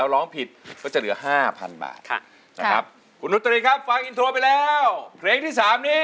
ร้องไปก็อ๋อนั้นอ๋อนั้นอ๋อ